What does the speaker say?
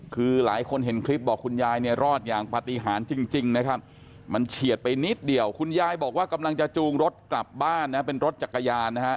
คือหลายคนเห็นคลิปบอกคุณยายเนี่ยรอดอย่างปฏิหารจริงนะครับมันเฉียดไปนิดเดียวคุณยายบอกว่ากำลังจะจูงรถกลับบ้านนะเป็นรถจักรยานนะฮะ